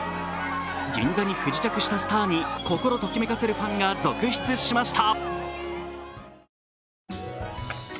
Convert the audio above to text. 銀座に不時着したスターに心ときめかせるファンが続出しました。